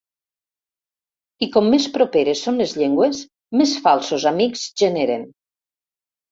I com més properes són les llengües més falsos amics generen.